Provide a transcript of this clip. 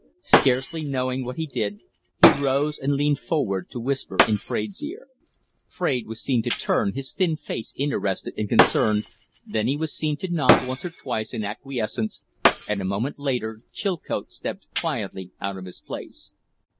Scarcely knowing what he did, he rose and leaned forward to whisper in Fraide's ear. Fraide was seen to turn, his thin face interested and concerned, then he was seen to nod once or twice in acquiescence, and a moment later Chilcote stepped quietly out of his place.